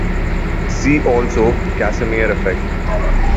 See also Casimir effect.